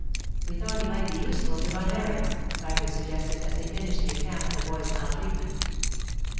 'We thought he might be useful to run errands,' Sybert suggested as they finished the account of the boy's maltreatment.